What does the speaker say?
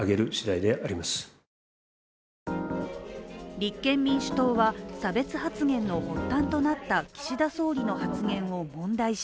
立憲民主党は、差別発言の発端となった岸田総理の発言を問題視。